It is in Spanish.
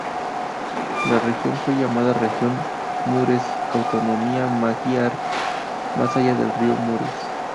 La región fue llamada Región Mureş-Autonomía Magiar, más allá del río Mureş.